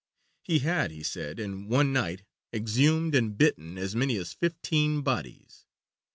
He had, he said, in one night exhumed and bitten as many as fifteen bodies.